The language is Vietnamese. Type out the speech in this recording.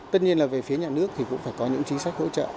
tất nhiên là về phía nhà nước thì cũng phải có những chính sách hỗ trợ